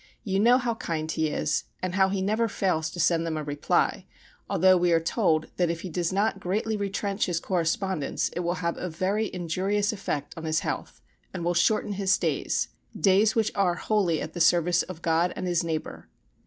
You know how kind he is and how he never fails to send them a reply, although we are told that if he does not greatly retrench his correspondence it will have a very injurious effect on his health, and will shorten his days days which are wholly at the service of God and his neighbour.